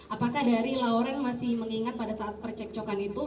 apakah dari lawren masih mengingat pada saat percekcokan itu